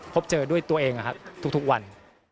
พบเจอด้วยตัวเองทุกวัน